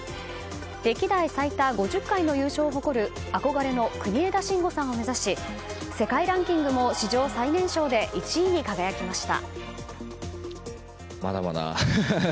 歴代最多５０回の優勝を誇る憧れの国枝慎吾さんを目指し世界ランキングも史上最年少で１位に輝きました。